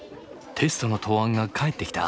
テストの答案が返ってきた？